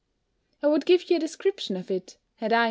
I would give you a description of it, had I Mrs. B.'